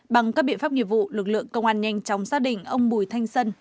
bằng các biện pháp nhiệm vụ lực lượng công an nhanh chóng xác định ông bùi thanh sân